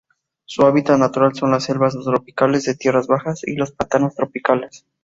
Su hábitat natural son las selvas tropicales de tierras bajas y los pantanos tropicales.